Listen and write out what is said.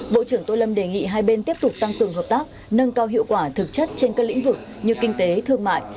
bộ trưởng tô lâm đề nghị hai bên tiếp tục tăng cường hợp tác nâng cao hiệu quả thực chất trên các lĩnh vực như kinh tế thương mại